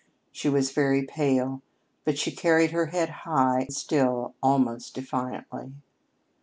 She was very pale, but she carried her head high still almost defiantly.